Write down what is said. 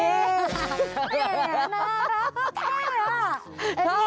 แผ่นน้ำน้ำค่ะปุ๊บเปล่า